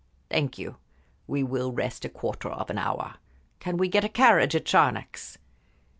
"Thank you. We will rest a quarter of an hour. Can we get a carriage at Charnex?"